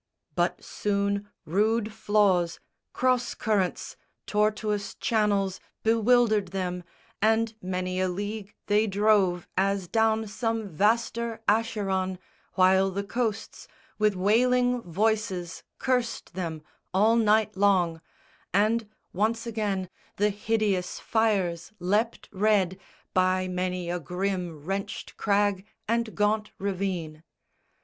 But soon rude flaws, cross currents, tortuous channels Bewildered them, and many a league they drove As down some vaster Acheron, while the coasts With wailing voices cursed them all night long, And once again the hideous fires leapt red By many a grim wrenched crag and gaunt ravine.